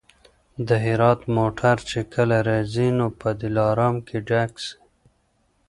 د هرات موټر چي کله راځي نو په دلارام کي ډک سي.